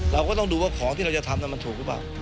เราก็ต้องดูว่าของที่เราจะทำมันถูกหรือเปล่า